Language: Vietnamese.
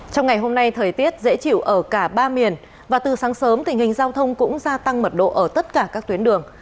trong ngày hôm nay thời tiết dễ chịu ở cả ba miền và từ sáng sớm tình hình giao thông cũng gia tăng mật độ ở tất cả các tuyến đường